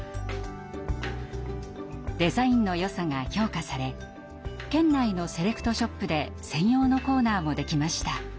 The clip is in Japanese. デザインのよさが評価され県内のセレクトショップで専用のコーナーもできました。